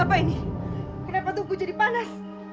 apa ini kenapa tugu jadi panas